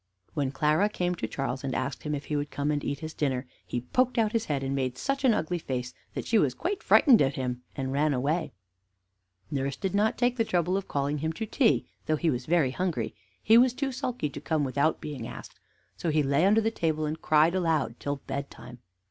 When Clara came to Charles, and asked him if he would come and eat his dinner, he poked out his head, and made such an ugly face that she was quite frightened at him, and ran away. Nurse did not take the trouble of calling him to tea; and, though he was very hungry, he was too sulky to come without being asked; so he lay under the table, and cried aloud till bedtime.